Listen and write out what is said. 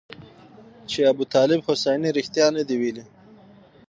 چې ابوطالب حسیني رښتیا نه دي ویلي.